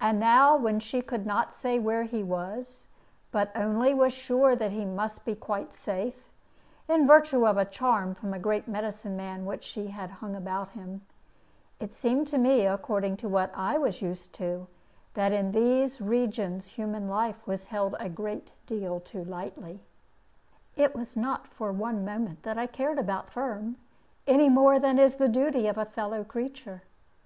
And now, when she could not say where he was, but only was sure that he must be quite safe (in virtue of a charm from a great medicine man which she had hung about him), it seemed to me, according to what I was used to, that in these regions human life was held a great deal too lightly. It was not for one moment that I cared about Firm, any more than is the duty of a fellow creature.